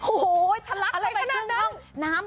โอ้โฮทะลักเข้าไปเครื่องน้ำ